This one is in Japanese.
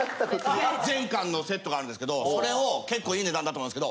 があるんですけどそれを結構いい値段だと思うんですけど。